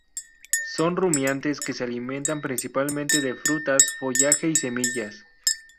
Son rumiantes que se alimentan principalmente de frutas, follaje y semillas.